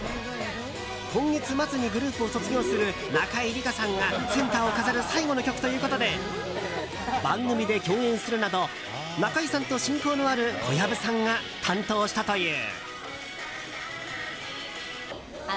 今月末にグループを卒業する中井りかさんがセンターを飾る最後の曲ということで番組で共演するなど中井さんと親交のある小籔さんが担当したという。